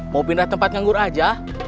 mau pindah tempat nganggur aja